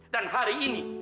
dan hari ini